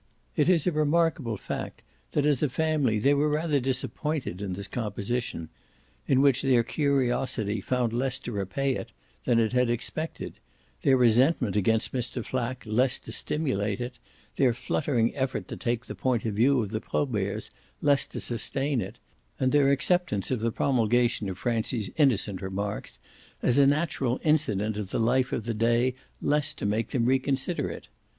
It is a remarkable fact that as a family they were rather disappointed in this composition, in which their curiosity found less to repay it than it had expected, their resentment against Mr. Flack less to stimulate it, their fluttering effort to take the point of view of the Proberts less to sustain it, and their acceptance of the promulgation of Francie's innocent remarks as a natural incident of the life of the day less to make them reconsider it.